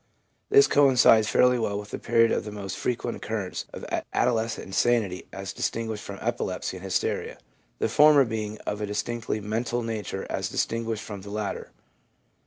This coincides fairly well with the period of the most frequent occurrence of adolescent insanity as distin guished from epilepsy and hysteria, the former being of a distinctly mental nature as distinguished from the latter.